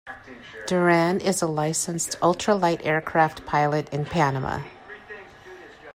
Duran is a licensed ultralight aircraft pilot in Panama.